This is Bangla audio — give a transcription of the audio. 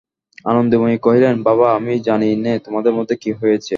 আনন্দময়ী কহিলেন, বাবা, আমি জানি নে তোমাদের মধ্যে কী হয়েছে।